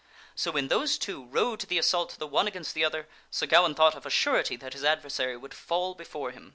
So when those two rode to the assault, the one against the other, Sir Gawaine thought of a surety that his adversary would fall before him.